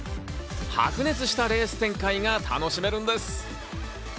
白熱したレース展開が楽しめるんです。